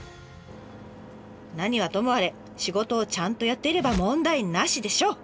何はともあれ仕事をちゃんとやっていれば問題なしでしょう！